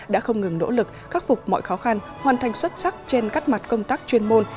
đã không ngừng nỗ lực khắc phục mọi khó khăn hoàn thành xuất sắc trên các mặt công tác chuyên môn